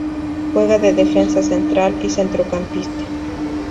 Juega de defensa central y centrocampista.